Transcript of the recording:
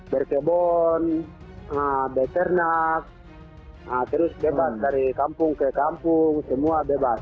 berkebon beternak terus bebas dari kampung ke kampung semua bebas